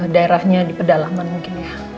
daerahnya di pedalaman mungkin ya